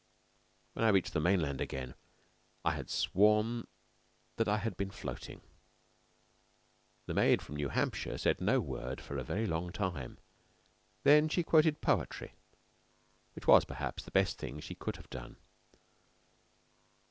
When I reached the mainland again I had sworn that I had been floating. The maid from New Hampshire said no word for a very long time. Then she quoted poetry, which was perhaps the best thing she could have done.